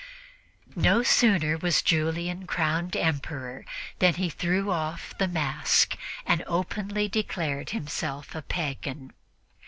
No sooner was Julian crowned Emperor than he threw off the mask and openly declared himself a pagan.